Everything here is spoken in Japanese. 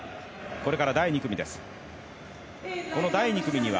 これから、第２組です。